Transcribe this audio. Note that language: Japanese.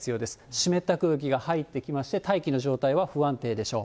湿った空気が入ってきまして、大気の状態は不安定でしょう。